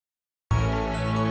aneh banget sumpah enggak